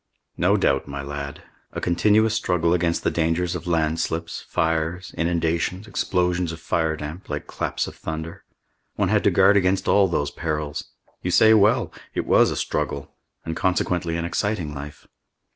"No doubt, my lad. A continuous struggle against the dangers of landslips, fires, inundations, explosions of firedamp, like claps of thunder. One had to guard against all those perils! You say well! It was a struggle, and consequently an exciting life."